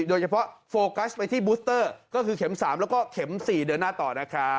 โฟกัสไปที่บูสเตอร์ก็คือเข็ม๓แล้วก็เข็ม๔เดือนหน้าต่อนะครับ